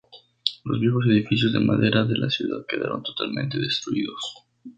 La viejos edificios de madera de la ciudad quedaron totalmente destruidos.